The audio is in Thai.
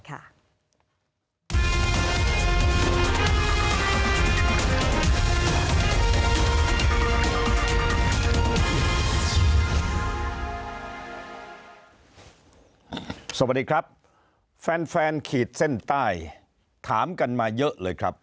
สวัสดีครับแฟนขีดเส้นใต้ถามกันมาเยอะเลยครับ